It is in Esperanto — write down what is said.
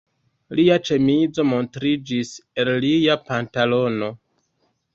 Lia ĉemizo montriĝis el lia pantalono.